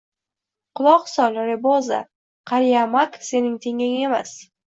Quloq sol, Reboza, qariya Mak sening tenging emas